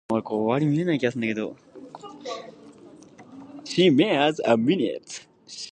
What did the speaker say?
C'mere a minute.